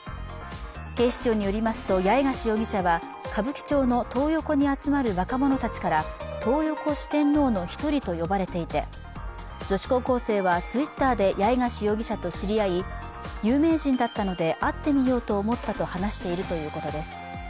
警視庁によりますと、八重樫容疑者は歌舞伎町のトー横に集まる若者たちからトー横四天王の１人と呼ばれていて女子高校生はＴｗｉｔｔｅｒで八重樫容疑者と知り合い、有名人だったので会ってみようと思ったと話しているということです。